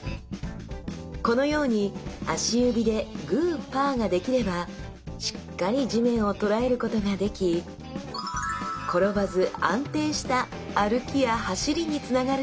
このように足指で「グー・パー」ができればしっかり地面を捉えることができ転ばず安定した歩きや走りにつながると期待されます